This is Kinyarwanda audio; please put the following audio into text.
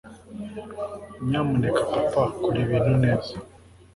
nyamuneka papa kora ibintu neza